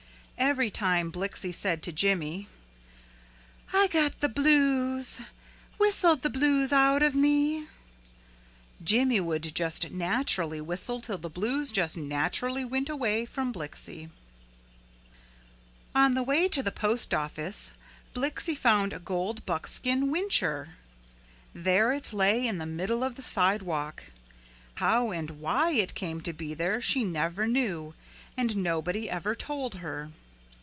Every time Blixie said to Jimmy, "I got the blues whistle the blues out of me," Jimmy would just naturally whistle till the blues just naturally went away from Blixie. On the way to the postoffice, Blixie found a gold buckskin whincher. There it lay in the middle of the sidewalk. How and why it came to be there she never knew and nobody ever told her.